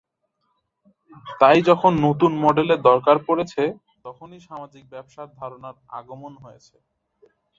তাই যখন নতুন মডেলের দরকার পড়েছে, তখনই সামাজিক ব্যবসা ধারণার আগমন হয়েছে।